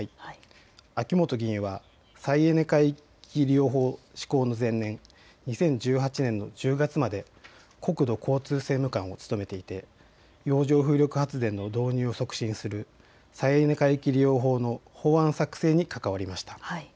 秋本議員は再エネ海域利用法の施行の前年、２０１８年の１０月まで国土交通政務官を務めていて洋上風力発電の導入を促進する再エネ海域利用法の法案作成に関わりました。